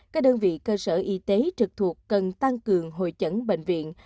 các đơn vị cơ sở y tế trực thuộc cần tăng cường hội chẩn bệnh viện